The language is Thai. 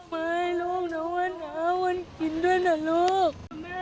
มาให้ลูกนะว่านะแล้วมากินด้วยนะลุก